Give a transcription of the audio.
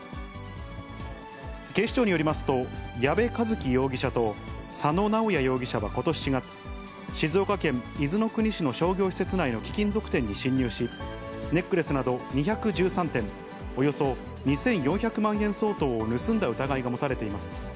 警視庁によりますと、矢部和希容疑者と佐野直也容疑者はことし４月、静岡県伊豆の国市の商業施設内の貴金属店に侵入し、ネックレスなど２１３点、およそ２４００万円相当を盗んだ疑いが持たれています。